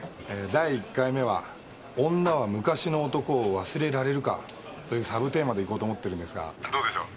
第一回目は「女は昔の男を忘れられるか」というサブテーマで行こうと思ってるんですがどうでしょう？